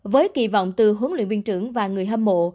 với kỳ vọng từ huấn luyện viên trưởng và người hâm mộ